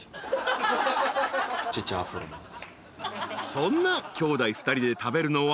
［そんな兄弟２人で食べるのは］